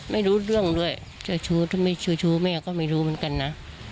ไม่รู้เรื่องด้วยเจ้าชู้ถ้าไม่ชู้แม่ก็ไม่รู้เหมือนกันนะ